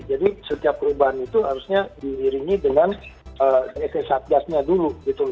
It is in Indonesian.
jadi setiap perubahan itu harusnya diiringi dengan st satgasnya dulu